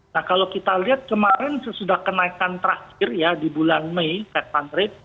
nah kalau kita lihat kemarin sudah kenaikan terakhir ya di bulan mei fed pantret